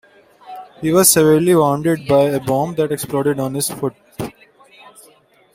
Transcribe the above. He was severely wounded by a bomb that exploded on his foot.